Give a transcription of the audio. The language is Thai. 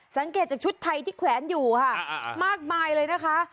สังเกตจากชุดไทยที่แขวนอยู่ค่ะมากมายเลยนะคะ